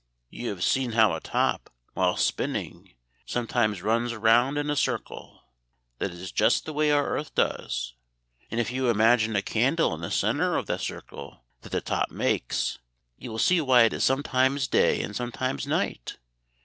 You have seen how a top, while spinning, sometimes runs round in a circle. That is just the way our earth does. And if you imagine a candle in the centre of the circle that the top makes, you will see why it is sometimes day and sometimes night.